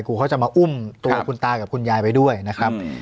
เขาจะมาอุ้มตัวคุณตากับคุณยายไปด้วยนะครับ